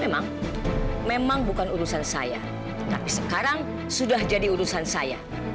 memang bukan urusan saya tapi sekarang sudah jadi urusan saya